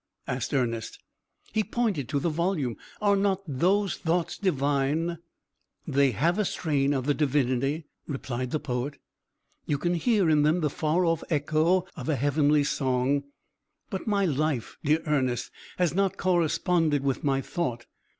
asked Ernest. He pointed to the volume. "Are not those thoughts divine?" "They have a strain of the Divinity," replied the poet. "You can hear in them the far off echo of a heavenly song. But my life, dear Ernest, has not corresponded with my thought.